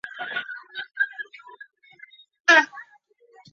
外景拍摄通常都在京都市左京区的冈崎周边进行。